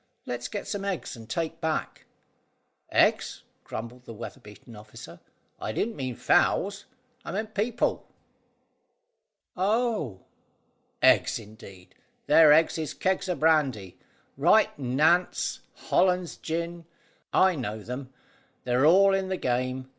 "Let's get some eggs to take back." "Eggs!" grumbled the weather beaten officer; "I didn't mean fowls, I meant people." "Oh!" "Eggs, indeed! Their eggs is kegs o' brandy. Right Nantes; Hollands gin. I know them. They're all in the game.